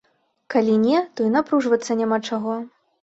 Калі не, то і напружвацца няма чаго.